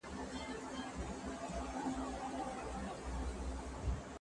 په هره څانګه هر پاڼه کي ویشتلی چنار